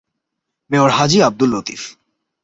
Mayor- Haji Abdul Latif.